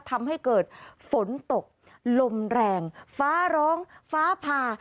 ทำให้เกิดฝนตกลมแรงฟ้าร้องฟ้าผ่า